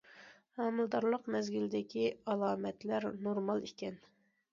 ھامىلىدارلىق مەزگىلىدىكى ئالامەتلەر نورمال ئىكەن.